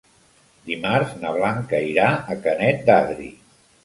Dimarts na Blanca irà a Canet d'Adri.